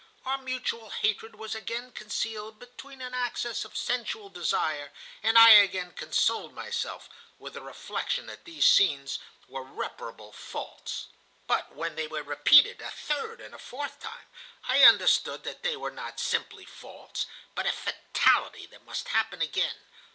Our mutual hatred was again concealed beneath an access of sensual desire, and I again consoled myself with the reflection that these scenes were reparable faults. "But when they were repeated a third and a fourth time, I understood that they were not simply faults, but a fatality that must happen again.